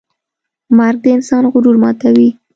مرګ د انسان غرور ماتوي.